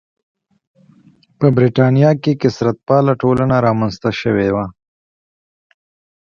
په برېټانیا کې کثرت پاله ټولنه رامنځته شوې وه.